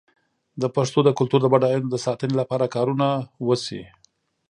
د پښتو د کلتور د بډاینو د ساتنې لپاره کارونه وشي.